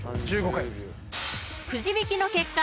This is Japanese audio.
［くじ引きの結果